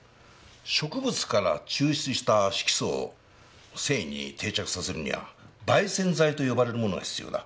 植物から抽出した色素を繊維に定着させるには媒染剤と呼ばれるものが必要だ。